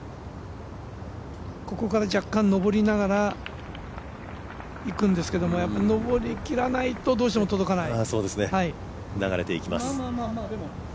ここから若干上りながらいくんですけど上りきらないと、どうしても届かない。